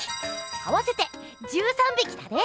合わせて１３びきだね！